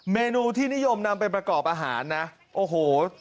เมนูที่นิยมนำไปประกอบอาหารนะโอ้โห